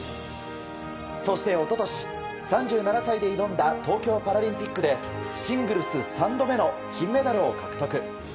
そして一昨年、３７歳で挑んだ東京パラリンピックでシングルス３度目の金メダルを獲得。